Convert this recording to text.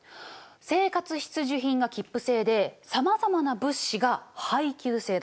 生活必需品が切符制でさまざまな物資が配給制だった。